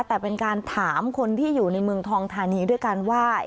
แต่เป็นการถามคนที่อยู่ในเมืองทองทานีด้วยกันว่า